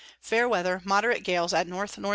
Fair Weather, moderate Gales at N N E.